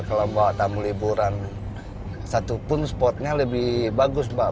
kalau mbak tamu liburan satupun spotnya lebih bagus mbak